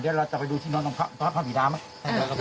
เดี๋ยวเราจะไปดูที่นอนตรงพระบีดาไหม